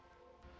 hai apa hasilnya